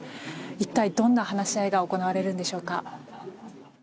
一体どんな話し合いが行われるんでしょうか。